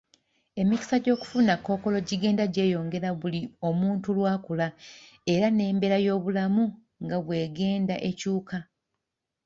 Emikisa gy'okufuna kookolo gigenda gyeyongera buli omuntu lwakula era n'embeera y'obulamu nga bw'egenda ekyuka